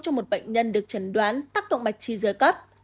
cho một bệnh nhân được chẩn đoán tác động bạch trí dơ cấp